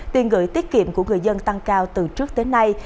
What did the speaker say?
tiền gửi tiết kiệm của người dân tăng cao từ trước tới nay